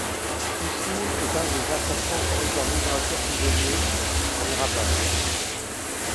East Mount est un important corridor migratoire saisonnier pour les rapaces.